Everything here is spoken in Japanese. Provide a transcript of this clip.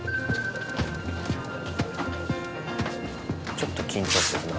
ちょっと緊張するな。